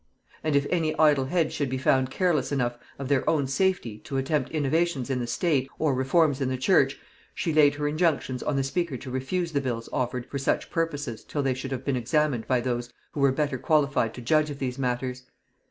And if any idle heads should be found careless enough of their own safety to attempt innovations in the state, or reforms in the church, she laid her injunctions on the speaker to refuse the bills offered for such purposes till they should have been examined by those who were better qualified to judge of these matters.